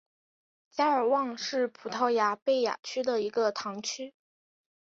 加尔旺是葡萄牙贝雅区的一个堂区。